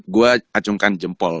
gue acungkan jempol